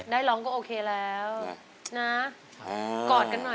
ได้ล้องก็โอเคแล้ว